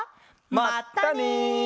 まったね！